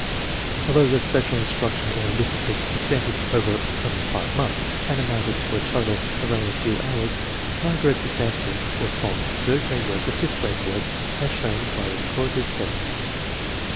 Although the special instruction in arithmetic extended over only five months, and amounted to a total of only a few hours, Margaret's advancement was from third grade work to fifth grade work, as shown by the Courtis tests.